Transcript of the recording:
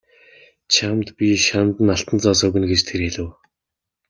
Чамд би шанд нь алтан зоос өгнө гэж тэр хэлэв.